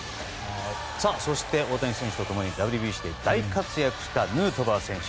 そして大谷選手と共にＷＢＣで大活躍したヌートバー選手。